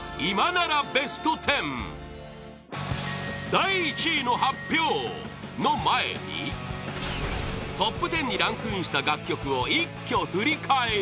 第１位の発表の前にトップ１０にランクインした楽曲を一挙振り返り